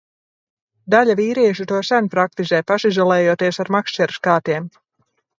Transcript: Daļa vīriešu to sen praktizē, pašizolējoties ar makšķeres kātiem.